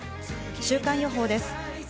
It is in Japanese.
週間予報です。